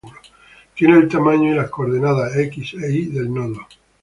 Tiene el tamaño y las coordenadas X e Y del nodo.